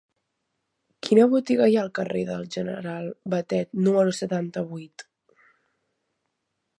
Quina botiga hi ha al carrer del General Batet número setanta-vuit?